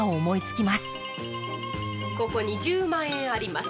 ここに１０万円あります。